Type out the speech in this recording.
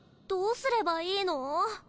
どうすればいいの？